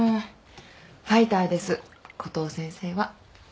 ファイターですコトー先生は。